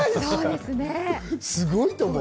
すごいと思う。